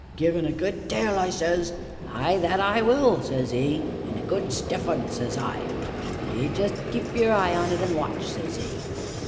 'Give un a good tail!' says I. 'Ah! that I will,' says 'e. 'An' a good stiff un!' says I. 'Ye jest keep your eye on it, an' watch!' says 'e.